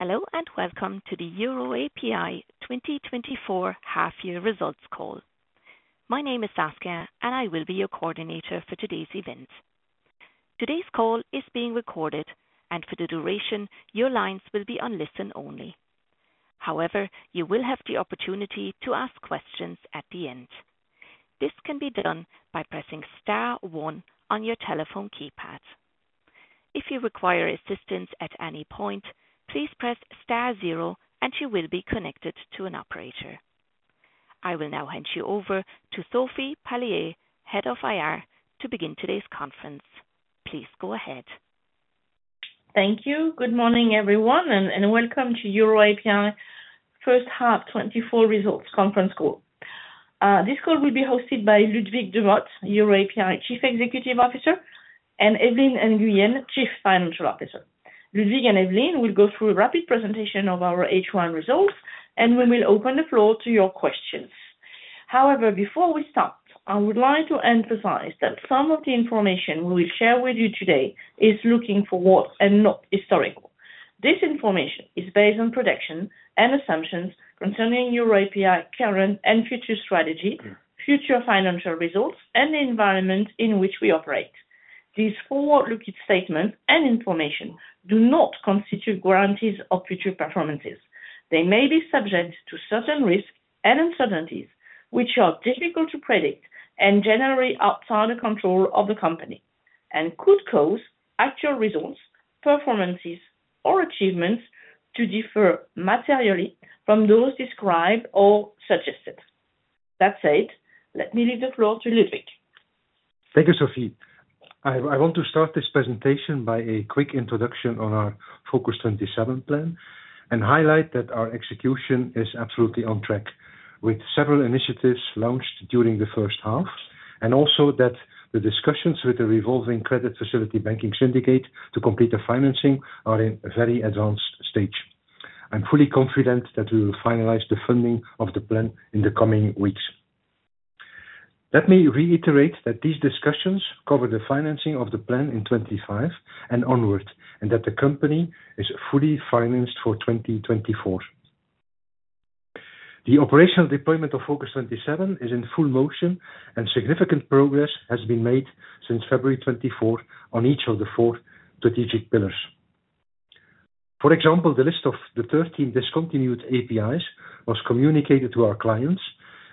Hello, and welcome to the EUROAPI 2024 half year results call. My name is Saskia, and I will be your coordinator for today's event. Today's call is being recorded, and for the duration, your lines will be on listen only. However, you will have the opportunity to ask questions at the end. This can be done by pressing star one on your telephone keypad. If you require assistance at any point, please press star zero, and you will be connected to an operator. I will now hand you over to Sophie Palliez, Head of IR, to begin today's conference. Please go ahead. Thank you. Good morning, everyone, and welcome to EUROAPI first half 2024 results conference call. This call will be hosted by Ludwig de Mot, EUROAPI CEO, and Evelyne Nguyen, CFO. Ludwig and Evelyne will go through a rapid presentation of our H1 results, and we will open the floor to your questions. However, before we start, I would like to emphasize that some of the information we will share with you today is looking forward and not historical. This information is based on projections and assumptions concerning EUROAPI current and future strategy, future financial results, and the environment in which we operate. These forward-looking statements and information do not constitute guarantees of future performances. They may be subject to certain risks and uncertainties, which are difficult to predict and generally outside the control of the company, and could cause actual results, performances, or achievements to differ materially from those described or suggested. That said, let me leave the floor to Ludwig. Thank you, Sophie. I want to start this presentation by a quick introduction on our FOCUS-27 plan, and highlight that our execution is absolutely on track, with several initiatives launched during the first half, and also that the discussions with the revolving credit facility banking syndicate to complete the financing are in a very advanced stage. I'm fully confident that we will finalize the funding of the plan in the coming weeks. Let me reiterate that these discussions cover the financing of the plan in 25 and onward, and that the company is fully financed for 2024. The operational deployment of FOCUS-27 is in full motion, and significant progress has been made since February 24th on each of the four strategic pillars. For example, the list of the 13 discontinued APIs was communicated to our clients,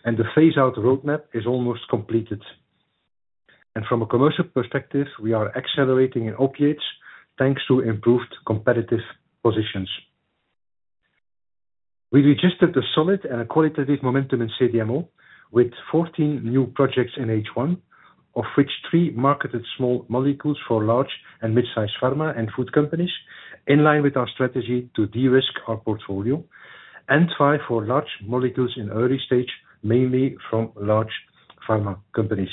and the phase-out roadmap is almost completed. From a commercial perspective, we are accelerating in opiates, thanks to improved competitive positions. We registered a solid and a qualitative momentum in CDMO, with 14 new projects in H1, of which three marketed small molecules for large and mid-sized pharma and food companies, in line with our strategy to de-risk our portfolio and try for large molecules in early stage, mainly from large pharma companies.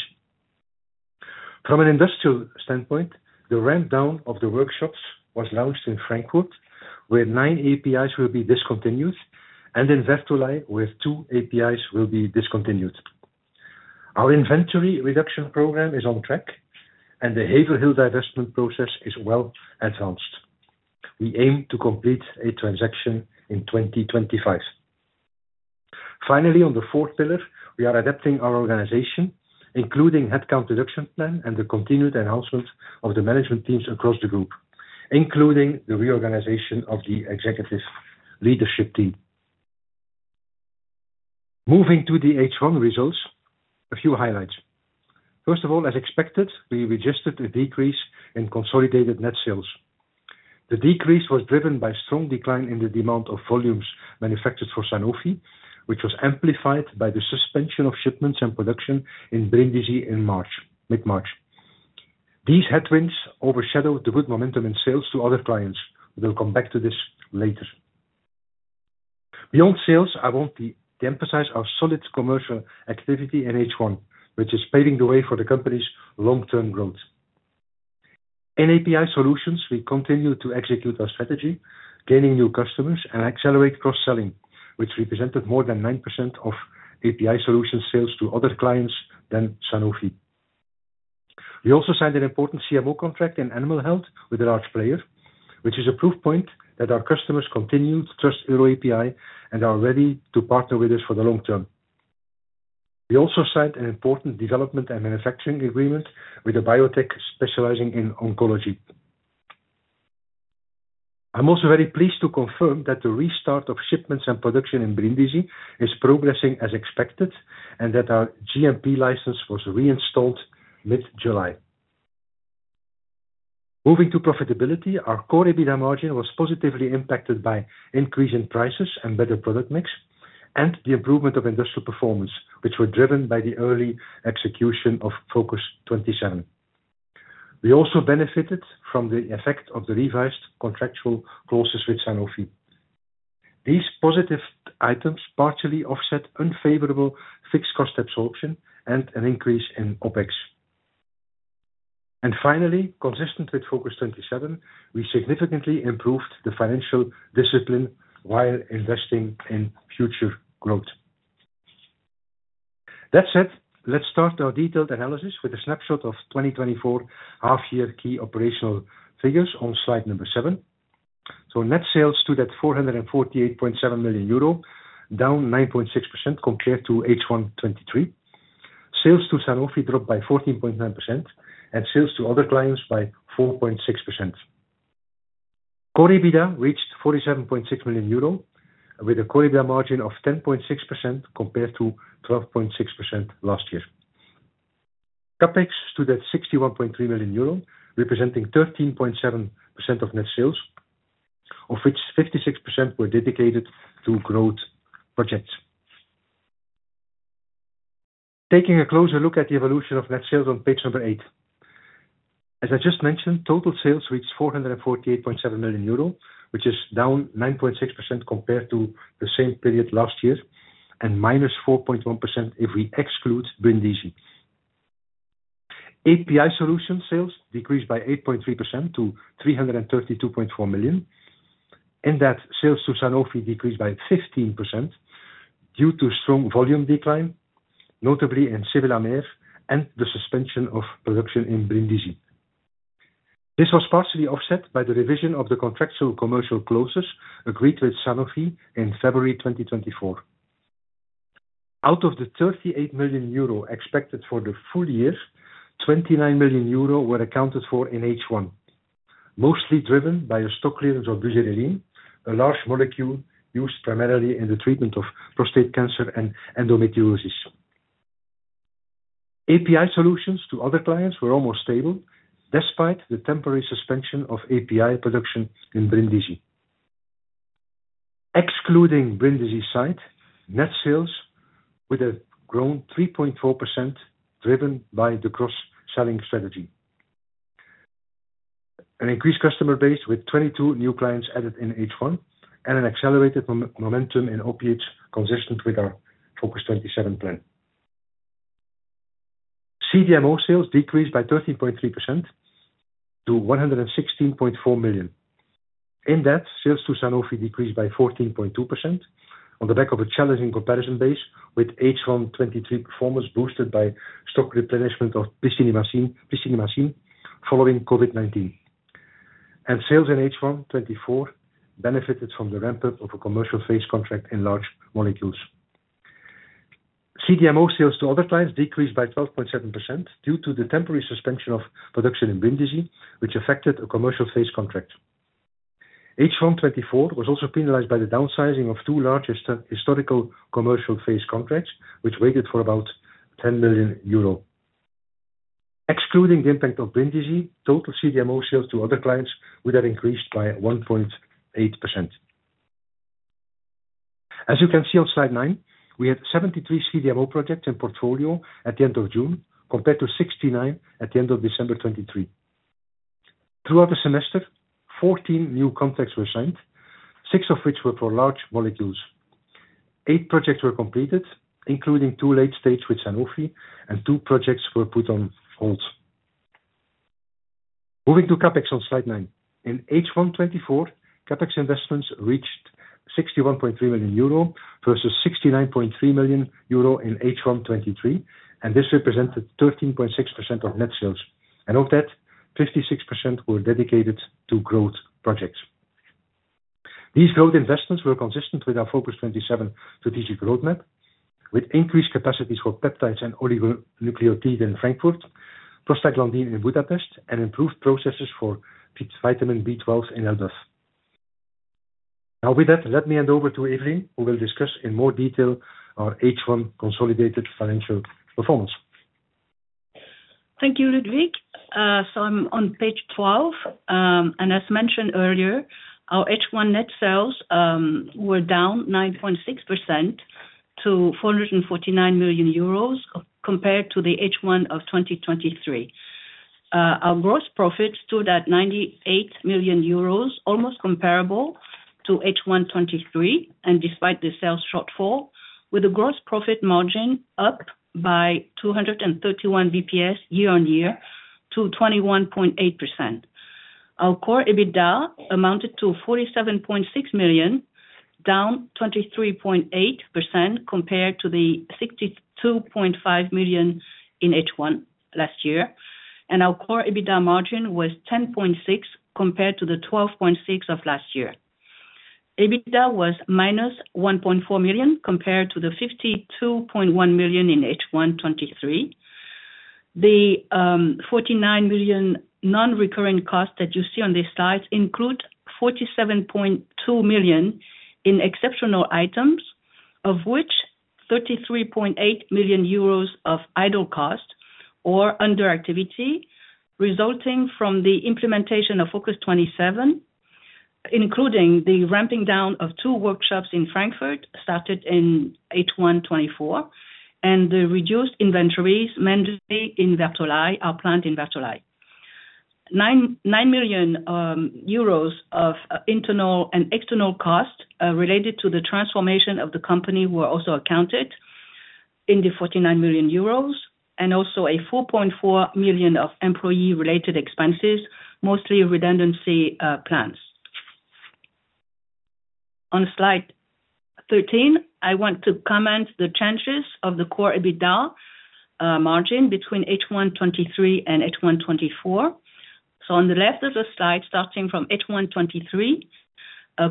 From an industrial standpoint, the ramp down of the workshops was launched in Frankfurt, where nine APIs will be discontinued, and in Vertolaye, where two APIs will be discontinued. Our inventory reduction program is on track, and the Haverhill divestment process is well advanced. We aim to complete a transaction in 2025. Finally, on the fourth pillar, we are adapting our organization, including headcount reduction plan and the continued enhancement of the management teams across the group, including the reorganization of the Executives' Leadership Team. Moving to the H1 results, a few highlights. First of all, as expected, we registered a decrease in consolidated net sales. The decrease was driven by strong decline in the demand of volumes manufactured for Sanofi, which was amplified by the suspension of shipments and production in Brindisi in March, mid-March. These headwinds overshadowed the good momentum in sales to other clients. We will come back to this later. Beyond sales, I want to, to emphasize our solid commercial activity in H1, which is paving the way for the company's long-term growth. In API solutions, we continue to execute our strategy, gaining new customers and accelerate cross-selling, which represented more than 9% of API solution sales to other clients than Sanofi. We also signed an important CMO contract in animal health with a large player, which is a proof point that our customers continue to trust EUROAPI and are ready to partner with us for the long term. We also signed an important development and manufacturing agreement with a biotech specializing in oncology. I'm also very pleased to confirm that the restart of shipments and production in Brindisi is progressing as expected, and that our GMP license was reinstalled mid-July. Moving to profitability, our core EBITDA margin was positively impacted by increase in prices and better product mix, and the improvement of industrial performance, which were driven by the early execution of FOCUS-27. We also benefited from the effect of the revised contractual clauses with Sanofi. These positive items partially offset unfavorable fixed cost absorption and an increase in OpEx. And finally, consistent with FOCUS-27, we significantly improved the financial discipline while investing in future growth. That said, let's start our detailed analysis with a snapshot of 2024 half-year key operational figures on Slide seven. So net sales stood at 448.7 million euro, down 9.6% compared to H1 2023. Sales to Sanofi dropped by 14.9% and sales to other clients by 4.6%. Core EBITDA reached 47.6 million euro, with a core EBITDA margin of 10.6% compared to 12.6% last year. CapEx stood at 61.3 million euro, representing 13.7% of net sales, of which 56% were dedicated to growth projects. Taking a closer look at the evolution of net sales on page 8. As I just mentioned, total sales reached 448.7 million euro, which is down 9.6% compared to the same period last year, and minus 4.1% if we exclude Brindisi. API solution sales decreased by 8.3% to 332.4 million, in that sales to Sanofi decreased by 15% due to strong volume decline, notably in sevelamer, and the suspension of production in Brindisi. This was partially offset by the revision of the contractual commercial clauses agreed with Sanofi in February 2024. Out of the 38 million euro expected for the full year, 29 million euro were accounted for in H1, mostly driven by a stock clearance of buserelin, a large molecule used primarily in the treatment of prostate cancer and endometriosis. API solutions to other clients were almost stable, despite the temporary suspension of API production in Brindisi. Excluding Brindisi site, net sales would have grown 3.4%, driven by the cross-selling strategy. An increased customer base, with 22 new clients added in H1, and an accelerated momentum in opiates, consistent with our FOCUS-27 plan. CDMO sales decreased by 13.3% to 116.4 million. In that, sales to Sanofi decreased by 14.2% on the back of a challenging comparison base, with H1 2023 performance boosted by stock replenishment of pristinamycin, pristinamycin following COVID-19. Sales in H1 2024 benefited from the ramp-up of a commercial phase contract in large molecules. CDMO sales to other clients decreased by 12.7% due to the temporary suspension of production in Brindisi, which affected a commercial phase contract. H1 2024 was also penalized by the downsizing of two large historical commercial phase contracts, which weighed about 10 million euro. Excluding the impact of Brindisi, total CDMO sales to other clients would have increased by 1.8%. As you can see on Slide nine, we had 73 CDMO projects in portfolio at the end of June, compared to 69 at the end of December 2023. Throughout the semester, 14 new contracts were signed, six of which were for large molecules. Eight projects were completed, including two late stage with Sanofi, and two projects were put on hold. Moving to CapEx on Slide nine. In H1 2024, CapEx investments reached 61.3 million euro, versus 69.3 million euro in H1 2023, and this represented 13.6% of net sales, and of that, 56% were dedicated to growth projects. These growth investments were consistent with our FOCUS-27 strategic roadmap, with increased capacities for peptides and oligonucleotides in Frankfurt, prostaglandin in Budapest, and improved processes for Vitamin B12 in Elbeuf. Now, with that, let me hand over to Evelyne, who will discuss in more detail our H1 consolidated financial performance. Thank you, Ludwig. So I'm on page 12. As mentioned earlier, our H1 net sales were down 9.6% to 449 million euros, compared to the H1 of 2023. Our gross profit stood at 98 million euros, almost comparable to H1 2023, and despite the sales shortfall, with a gross profit margin up by 231 BPS year-on-year to 21.8%. Our core EBITDA amounted to 47.6 million, down 23.8% compared to the 62.5 million in H1 last year. Our core EBITDA margin was 10.6%, compared to the 12.6% of last year. EBITDA was -1.4 million, compared to the 52.1 million in H1 2023. The 49 million non-recurring costs that you see on this slide include 47.2 million in exceptional items, of which 33.8 million euros of idle cost or underactivity, resulting from the implementation of FOCUS-27, including the ramping down of two workshops in Frankfurt, started in H1 2024, and the reduced inventories, mainly in Vertolaye, our plant in Vertolaye. 9.9 million euros of internal and external costs related to the transformation of the company were also accounted in the 49 million euros, and also a 4.4 million of employee-related expenses, mostly redundancy plans. On Slide 13, I want to comment the changes of the core EBITDA margin between H1 2023 and H1 2024. So on the left of the slide, starting from H1 2023,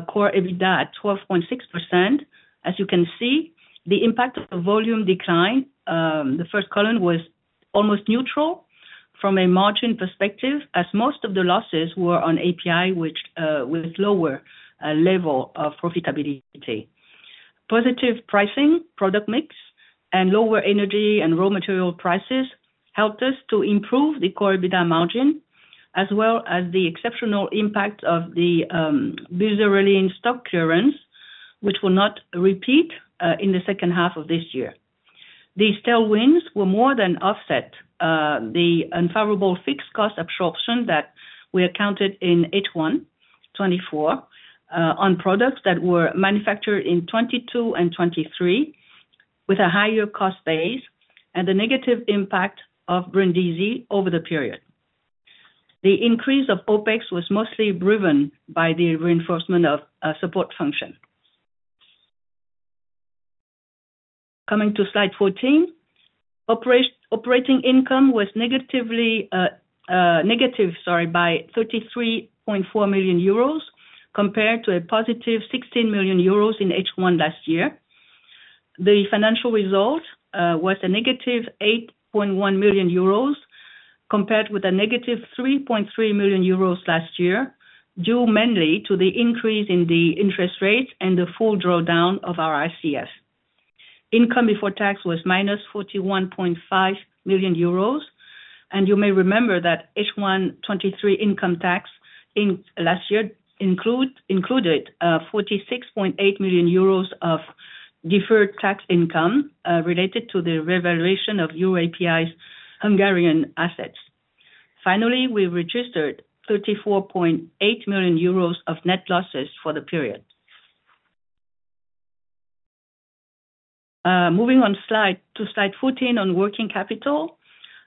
core EBITDA at 12.6%. As you can see, the impact of the volume decline, the first column was almost neutral from a margin perspective, as most of the losses were on API, which, with lower level of profitability. Positive pricing, product mix, and lower energy and raw material prices helped us to improve the core EBITDA margin, as well as the exceptional impact of the, buserelin stock clearance, which will not repeat, in the second half of this year. These tailwinds will more than offset, the unfavorable fixed cost absorption that we accounted in H1 2024, on products that were manufactured in 2022 and 2023, with a higher cost base and the negative impact of Brindisi over the period. The increase of OpEx was mostly driven by the reinforcement of, support function. Coming to Slide 14. Operating income was negatively, negative, sorry, by 33.4 million euros compared to a positive 16 million euros in H1 last year. The financial result was a negative 8.1 million euros, compared with a negative 3.3 million euros last year, due mainly to the increase in the interest rates and the full drawdown of our RCF. Income before tax was minus 41.5 million euros, and you may remember that H1 2023 income tax in last year included 46.8 million euros of deferred tax income related to the revaluation of EUROAPI's Hungarian assets. Finally, we registered 34.8 million euros of net losses for the period. Moving on to Slide 14 on working capital.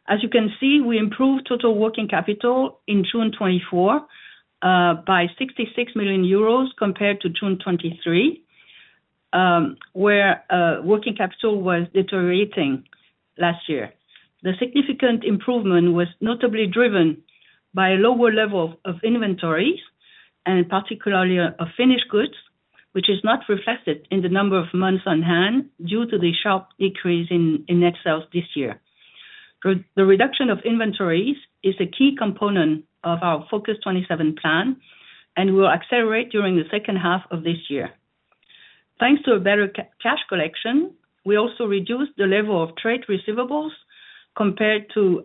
As you can see, we improved total working capital in June 2024 by 66 million euros compared to June 2023, where working capital was deteriorating last year. The significant improvement was notably driven by a lower level of inventories and particularly of finished goods, which is not reflected in the number of months on hand, due to the sharp decrease in net sales this year. For the reduction of inventories is a key component of our FOCUS-27 plan and will accelerate during the second half of this year. Thanks to a better cash collection, we also reduced the level of trade receivables compared to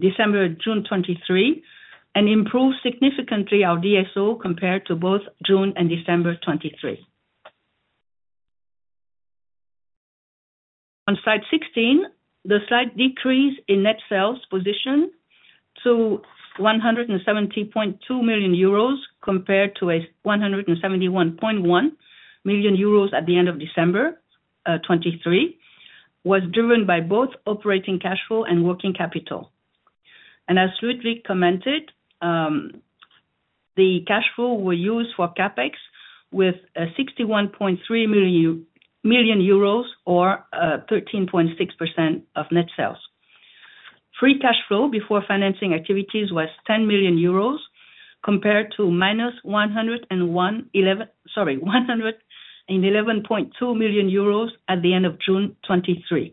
December 2023, June 2023, and improved significantly our DSO compared to both June and December 2023. On Slide 16, the slight decrease in net sales position to 170.2 million euros compared to 171.1 million euros at the end of December 2023 was driven by both operating cash flow and working capital. As Ludwig commented, the cash flow were used for CapEx with 61.3 million euros or 13.6% of net sales. Free cash flow before financing activities was 10 million euros, compared to -111.2 million euros at the end of June 2023.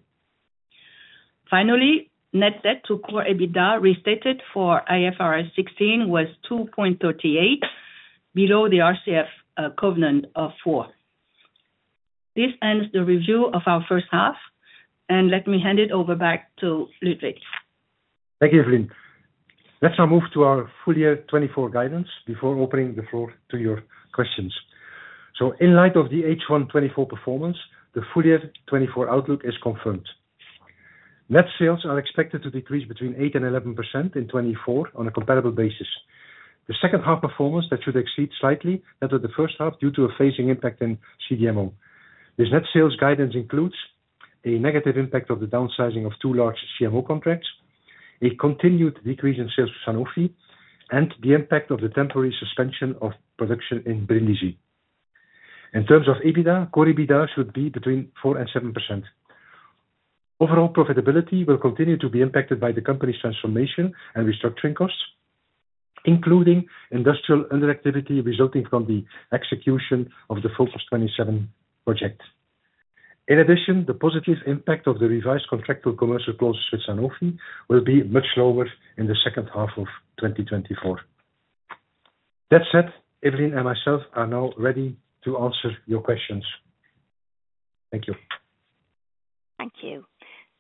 Finally, net debt to core EBITDA, restated for IFRS 16, was 2.38, below the RCF covenant of four. This ends the review of our first half, and let me hand it over back to Ludwig. Thank you, Evelyne. Let's now move to our full year 2024 guidance before opening the floor to your questions. So in light of the H1 2024 performance, the full year 2024 outlook is confirmed. Net sales are expected to decrease between 8% and 11% in 2024 on a comparable basis. The second half performance that should exceed slightly that of the first half, due to a phasing impact in CDMO. This net sales guidance includes a negative impact of the downsizing of two large CMO contracts, a continued decrease in sales to Sanofi, and the impact of the temporary suspension of production in Brindisi. In terms of EBITDA, core EBITDA should be between 4% and 7%. Overall profitability will continue to be impacted by the company's transformation and restructuring costs, including industrial underactivity resulting from the execution of the FOCUS-27 project. In addition, the positive impact of the revised contractual commercial clause with Sanofi will be much lower in the second half of 2024. That said, Evelyne and myself are now ready to answer your questions. Thank you. Thank you.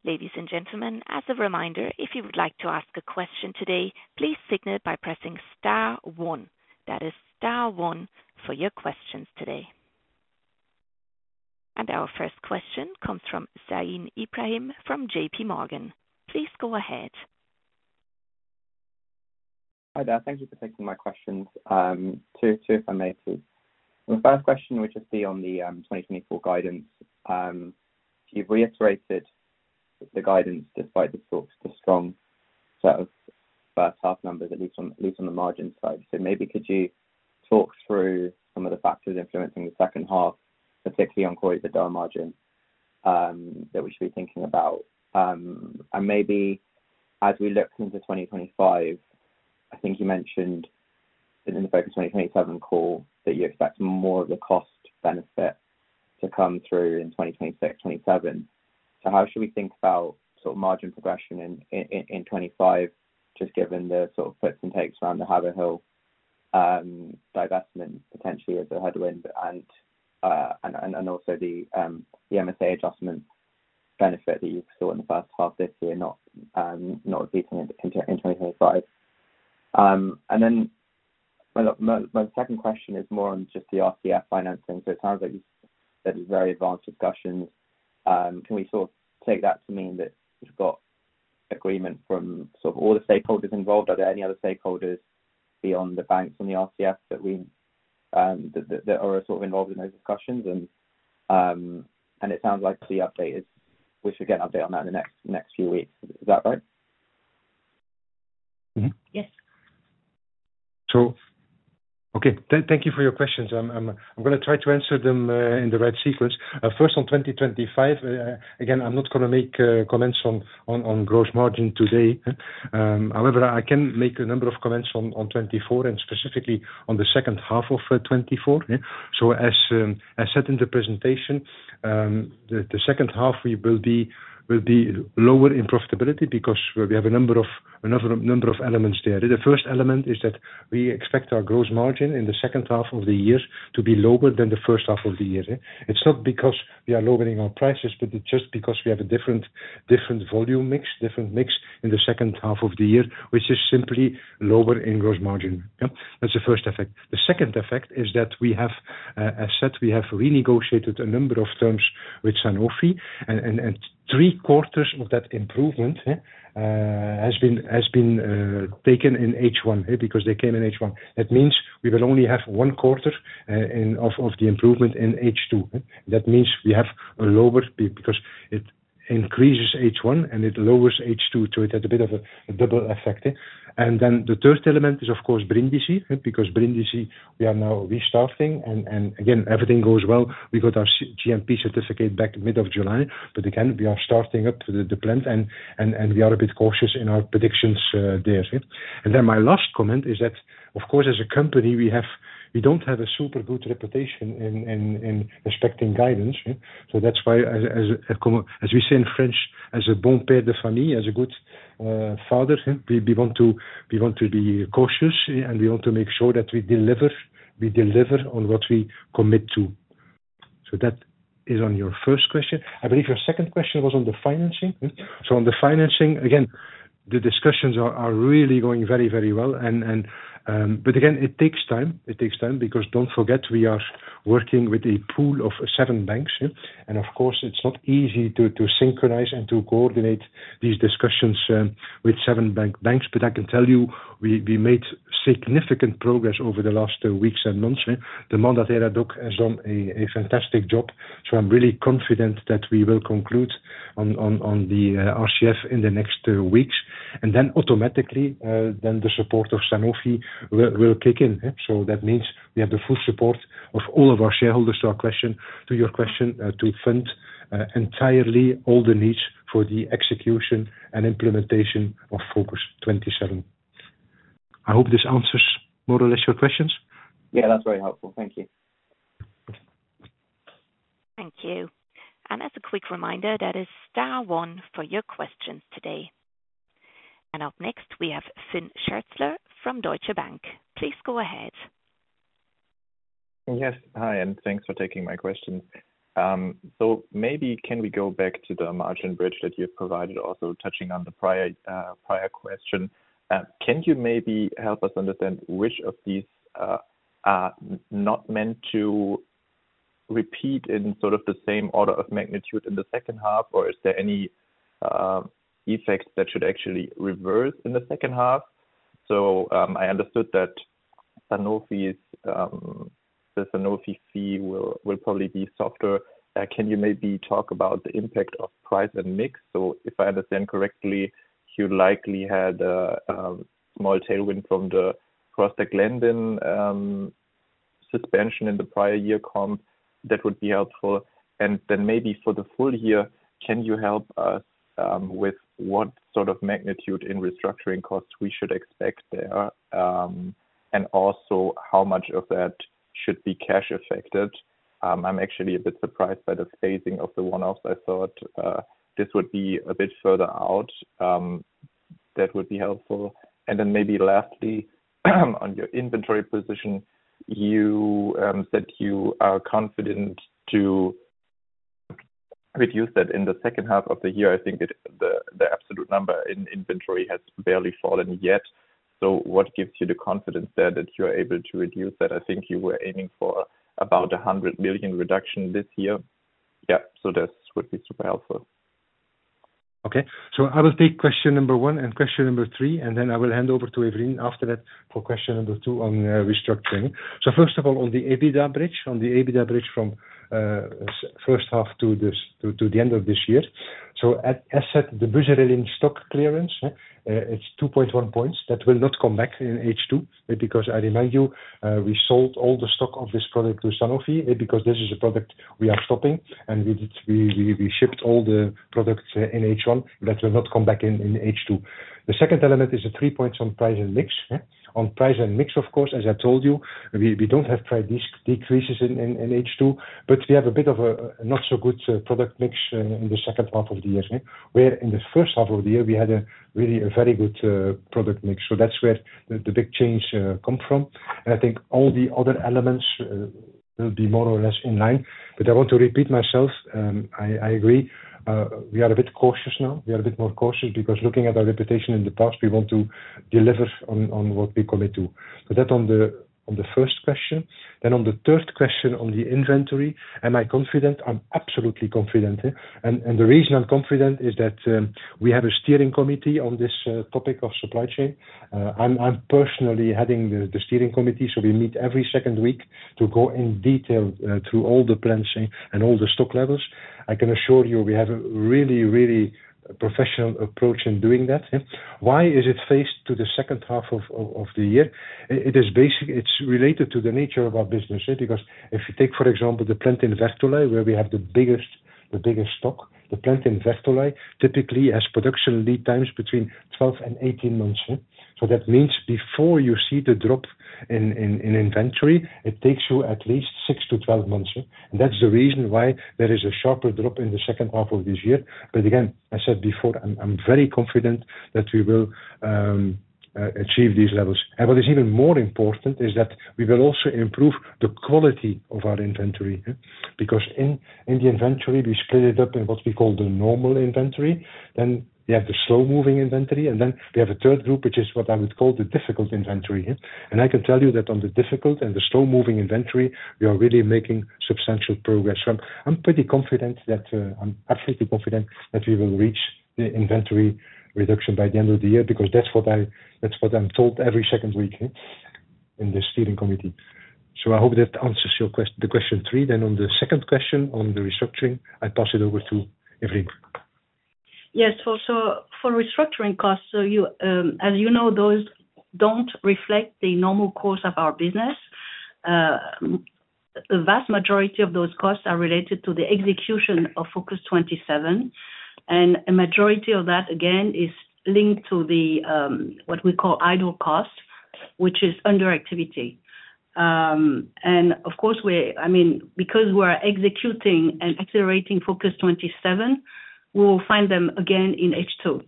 Ladies and gentlemen, as a reminder, if you would like to ask a question today, please signal by pressing star one. That is star one for your questions today. And our first question comes from Zain Ebrahim from JPMorgan. Please go ahead. Hi there. Thank you for taking my questions. Two, if I may please. The first question, which is on the 2024 guidance. You've reiterated the guidance despite the strong set of first half numbers, at least on the margin side. So maybe could you talk through some of the factors influencing the second half, particularly on core EBITDA margin, that we should be thinking about? And maybe as we look into 2025, I think you mentioned in the FOCUS 2027 call that you expect more of the cost benefit to come through in 2026, 2027. So how should we think about sort of margin progression in 25, just given the sort of puts and takes around the Haverhill divestment, potentially as a headwind and also the MSA adjustment benefit that you saw in the first half this year, not repeating it in 2025? And then, well, my second question is more on just the RCF financing. So it sounds like you said it's very advanced discussions. Can we sort of take that to mean that you've got agreement from sort of all the stakeholders involved? Are there any other stakeholders beyond the banks on the RCF that we are sort of involved in those discussions? It sounds like the update is, we should get an update on that in the next few weeks. Is that right? Mm-hmm. Yes. Okay. Thank you for your questions. I'm gonna try to answer them in the right sequence. First, on 2025, again, I'm not gonna make comments on gross margin today. However, I can make a number of comments on 2024 and specifically on the second half of 2024. As said in the presentation, the second half will be lower in profitability because we have a number of elements there. The first element is that we expect our gross margin in the second half of the year to be lower than the first half of the year. It's not because we are lowering our prices, but it's just because we have a different volume mix, different mix in the second half of the year, which is simply lower in gross margin. Yeah, that's the first effect. The second effect is that we have, as said, we have renegotiated a number of terms with Sanofi, and three quarters of that improvement has been taken in H1, because they came in H1. That means we will only have one quarter in of the improvement in H2. That means we have a lower p- because it increases H1, and it lowers H2, so it had a bit of a double effect? And then the third element is, of course, Brindisi, because Brindisi, we are now restaffing, and again, everything goes well. We got our GMP certificate back mid-July, but again, we are starting up the plant and we are a bit cautious in our predictions there. Then my last comment is that, of course, as a company, we have, we don't have a super good reputation in respecting guidance, eh? So that's why, as we say in French, as a bon père de famille, as a good father, we want to be cautious, eh, and we want to make sure that we deliver on what we commit to. So that is on your first question. I believe your second question was on the financing. So on the financing, again, the discussions are really going very well. But again, it takes time. It takes time, because don't forget, we are working with a pool of seven banks, yeah. Of course, it's not easy to synchronize and to coordinate these discussions with seven banks. I can tell you, we made significant progress over the last weeks and months. The mandates has done a fantastic job, so I'm really confident that we will conclude on the RCF in the next weeks, and then automatically, then the support of Sanofi will kick in. So that means we have the full support of all of our shareholders to your question to fund entirely all the needs for the execution and implementation of FOCUS-27. I hope this answers more or less your questions. Yeah, that's very helpful. Thank you. Thank you. As a quick reminder, that is star one for your questions today. Up next, we have Falko Friedrichs from Deutsche Bank. Please go ahead. Yes. Hi, and thanks for taking my question. So maybe can we go back to the margin bridge that you provided, also touching on the prior, prior question. Can you maybe help us understand which of these, are not meant to repeat in sort of the same order of magnitude in the second half, or is there any, effects that should actually reverse in the second half? So, I understood that Sanofi's, the Sanofi fee will, will probably be softer. Can you maybe talk about the impact of price and mix? So if I understand correctly, you likely had, small tailwind from the prostaglandin, suspension in the prior year comp. That would be helpful. And then maybe for the full year, can you help us, with what sort of magnitude in restructuring costs we should expect there? And also, how much of that should be cash affected? I'm actually a bit surprised by the phasing of the one-offs. I thought, this would be a bit further out. That would be helpful. And then maybe lastly, on your inventory position, you said you are confident to reduce that in the second half of the year. I think the absolute number in inventory has barely fallen yet. So what gives you the confidence there that you're able to reduce that? I think you were aiming for about a 100 million reduction this year. Yeah, so that would be super helpful. Okay. So I will take question number one and question number three, and then I will hand over to Evelyne after that for question number two on restructuring. So first of all, on the EBITDA bridge from first half to the end of this year. So as said, the buserelin stock clearance, it's 2.1 points that will not come back in H2, because I remind you, we sold all the stock of this product to Sanofi, because this is a product we are stopping, and we shipped all the products in H1 that will not come back in H2. The second element is the 3 points on price and mix, yeah. On price and mix, of course, as I told you, we don't have price decreases in H2, but we have a bit of a not so good product mix in the second half of the year, where in the first half of the year, we had a really a very good product mix. So that's where the big change come from. And I think all the other elements will be more or less in line. But I want to repeat myself, I agree we are a bit cautious now. We are a bit more cautious because looking at our reputation in the past, we want to deliver on what we commit to. So that on the first question, then on the third question, on the inventory, am I confident? I'm absolutely confident. The reason I'm confident is that we have a steering committee on this topic of supply chain. I'm personally heading the steering committee, so we meet every second week to go in detail through all the planning and all the stock levels. I can assure you, we have a really, really professional approach in doing that. Why is it phased to the second half of the year? It's related to the nature of our business, because if you take, for example, the plant in Vertolaye, where we have the biggest, the biggest stock, the plant in Vertolaye, typically has production lead times between 12 and 18 months. So that means before you see the drop in inventory, it takes you at least 6 to 12 months. And that's the reason why there is a sharper drop in the second half of this year. But again, I said before, I'm very confident that we will achieve these levels. And what is even more important is that we will also improve the quality of our inventory, because in the inventory, we split it up in what we call the normal inventory, then we have the slow-moving inventory, and then we have a third group, which is what I would call the difficult inventory. And I can tell you that on the difficult and the slow-moving inventory, we are really making substantial progress. So I'm pretty confident that I'm absolutely confident that we will reach the inventory reduction by the end of the year, because that's what I'm told every second week in the steering committee. So I hope that answers your question three. Then on the second question, on the restructuring, I pass it over to Evelyne. Yes, so, so for restructuring costs, so you, as you know, those don't reflect the normal course of our business. The vast majority of those costs are related to the execution of FOCUS-27, and a majority of that, again, is linked to the, what we call idle costs, which is under activity. And of course, I mean, because we're executing and accelerating FOCUS-27, we'll find them again in H2,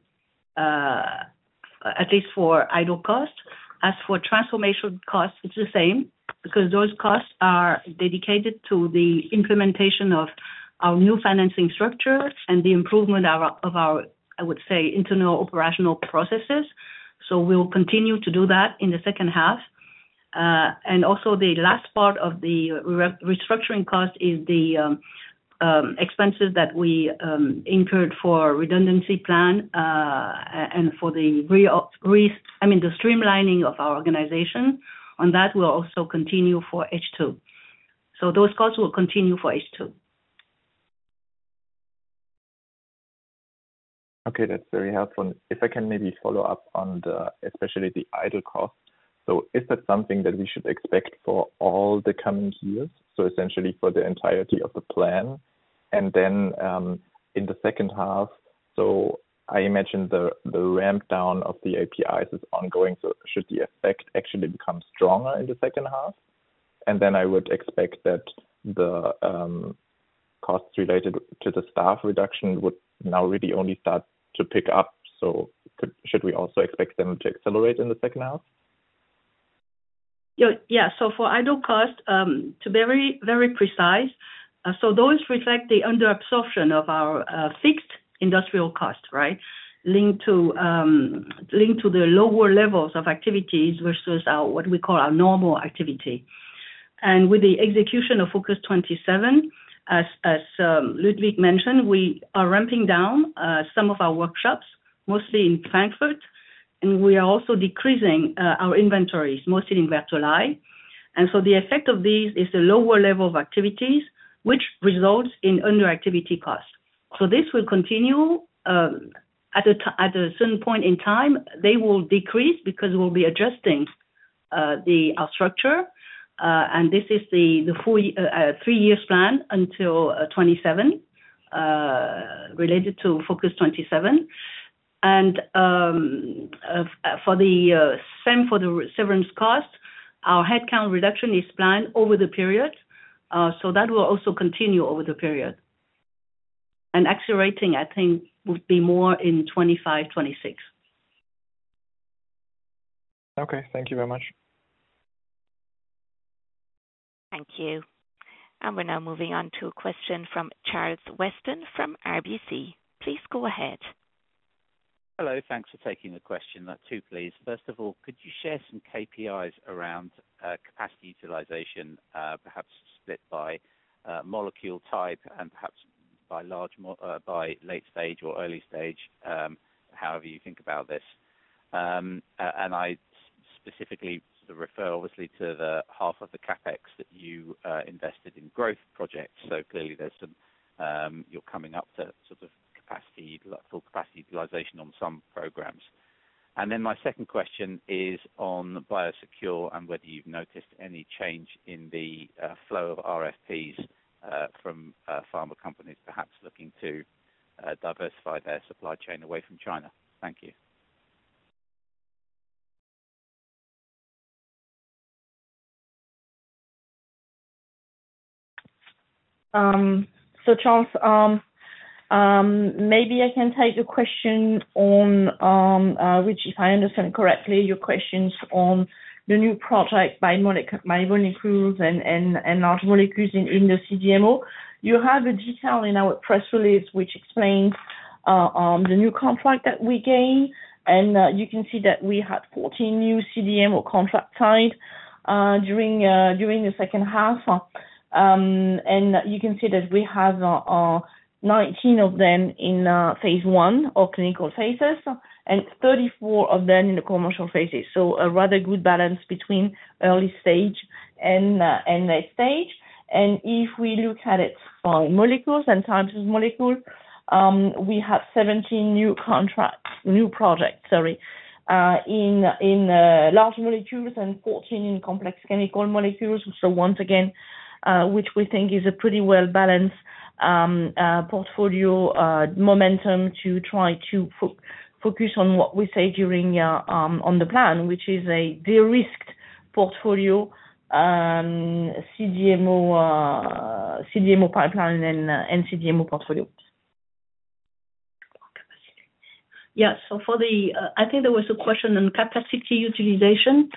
at least for idle costs. As for transformation costs, it's the same, because those costs are dedicated to the implementation of our new financing structure and the improvement of our, I would say, internal operational processes. So we'll continue to do that in the second half. And also the last part of the restructuring cost is the expenses that we incurred for redundancy plan, and for the streamlining of our organization. On that we'll also continue for H2. So those costs will continue for H2. Okay, that's very helpful. If I can maybe follow up on the, especially the idle cost. So is that something that we should expect for all the coming years, so essentially for the entirety of the plan? And then, in the second half, so I imagine the, the ramp down of the APIs is ongoing, so should the effect actually become stronger in the second half? And then I would expect that the, costs related to the staff reduction would now really only start to pick up, so could, should we also expect them to accelerate in the second half? Yeah, yeah. So for idle cost, to be very, very precise, so those reflect the under absorption of our, fixed industrial cost, right? Linked to, linked to the lower levels of activities versus our, what we call our normal activity. And with the execution of FOCUS-27, as, as, Ludwig mentioned, we are ramping down, some of our workshops, mostly in Frankfurt, and we are also decreasing, our inventories, mostly in Vertolaye. And so the effect of this is a lower level of activities, which results in under activity costs. So this will continue, at a certain point in time, they will decrease because we'll be adjusting, the, our structure, and this is the, the 3 years plan until 2027, related to FOCUS-27. For the same for the severance cost, our headcount reduction is planned over the period, so that will also continue over the period. And accelerating, I think, would be more in 2025, 2026. Okay. Thank you very much. Thank you. We're now moving on to a question from Charles Weston from RBC. Please go ahead. Hello. Thanks for taking the question. Two, please. First of all, could you share some KPIs around capacity utilization, perhaps split by molecule type and perhaps by large mo- by late stage or early stage, however you think about this? And I specifically sort of refer obviously to the half of the CapEx that you invested in growth projects. So clearly there's some, you're coming up to sort of capacity, full capacity utilization on some programs. And then my second question is on BIOSECURE, and whether you've noticed any change in the flow of RFPs from pharma companies perhaps looking to diversify their supply chain away from China. Thank you. So Charles, maybe I can take the question on which, if I understand correctly, your question's on the new project by small molecules and large molecules in the CDMO. You have the detail in our press release, which explains the new contract that we gained, and you can see that we had 14 new CDMO contracts signed during the second half. And you can see that we have 19 of them in phase one of clinical phases, and 34 of them in the commercial phases. So a rather good balance between early stage and late stage. And if we look at it by molecules and types of molecule, we have 17 new contracts, new projects, sorry, in large molecules and 14 in complex chemical molecules. So once again, which we think is a pretty well-balanced portfolio, momentum to try to focus on what we say during on the plan, which is a de-risked portfolio, CDMO, CDMO pipeline and, and CDMO portfolio. Yeah. So for the... I think there was a question on capacity utilization.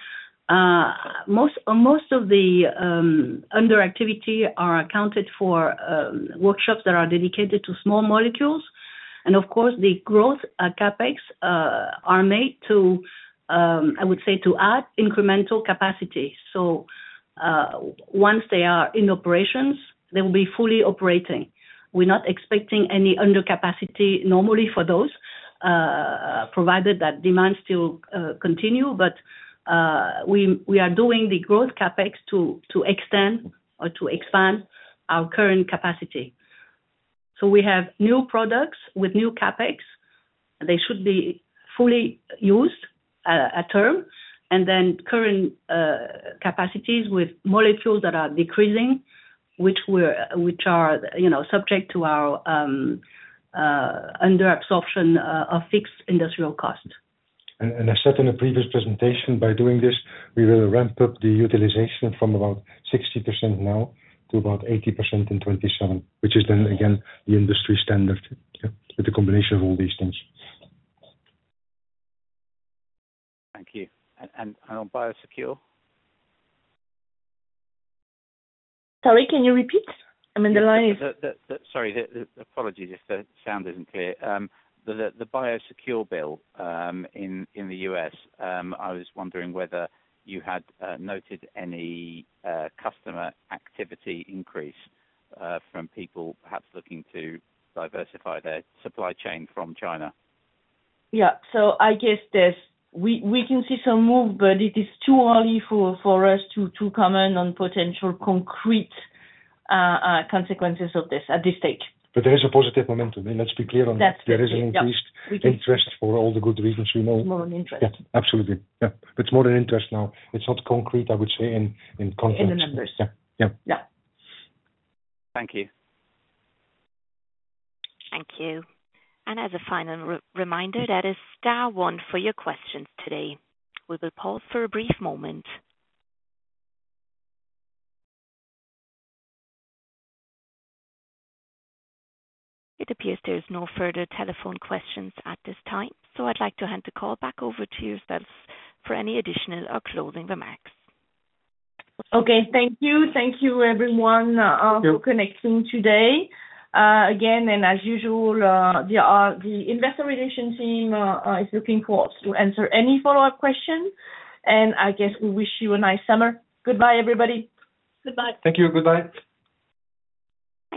Most, most of the underactivity are accounted for, workshops that are dedicated to small molecules, and of course, the growth CapEx are made to, I would say to add incremental capacity. So, once they are in operations, they will be fully operating. We're not expecting any under capacity normally for those, provided that demand still continue. But, we, we are doing the growth CapEx to, to extend or to expand our current capacity. So we have new products with new CapEx. They should be fully used at term, and then current capacities with molecules that are decreasing, which are, you know, subject to our under absorption of fixed industrial cost. And I said in a previous presentation, by doing this, we will ramp up the utilization from about 60% now to about 80% in 2027, which is then again the industry standard, yeah, with a combination of all these things. Thank you. And on BIOSECURE? Sorry, can you repeat? I mean, the line is- Sorry, the BIOSECURE Act in the U.S. I was wondering whether you had noted any customer activity increase from people perhaps looking to diversify their supply chain from China. Yeah. So I guess there's... We can see some move, but it is too early for us to comment on potential concrete consequences of this at this stage. But there is a positive momentum, and let's be clear on that. That's it, yeah. There is an increased interest for all the good reasons we know. More an interest. Yeah, absolutely. Yeah. It's more an interest now. It's not concrete, I would say, in context. In the numbers. Yeah. Yeah. Yeah. Thank you. Thank you. As a final reminder, that is star one for your questions today. We will pause for a brief moment. It appears there's no further telephone questions at this time, so I'd like to hand the call back over to you, Sophie, for any additional or closing remarks. Okay. Thank you. Thank you, everyone. Thank you... for connecting today. Again, and as usual, the Investor Relations team is looking for us to answer any follow-up questions. And I guess we wish you a nice summer. Goodbye, everybody. Goodbye. Thank you. Goodbye.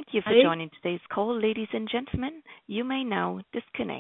Thank you for joining today's call, ladies and gentlemen. You may now disconnect.